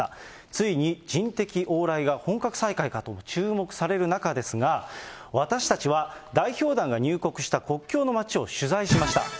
ついに人的往来が本格再開かと注目される中ですが、私たちは代表団が入国した国境の街を取材しました。